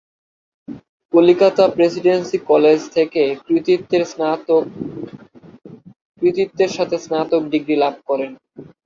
Calcutta Presidency College থেকে কৃতিত্বের সাথে স্নাতক ডিগ্রী লাভ করেন।